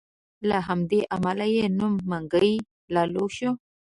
له همدې امله یې نوم منګی لالو شو.